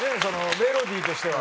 メロディーとしては。